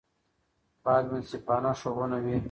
باید منصفانه ښوونه وي.